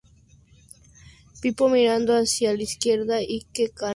Pipo mirando hacia la izquierda y C-Kan hacia la derecha.